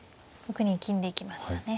６二金で行きましたね。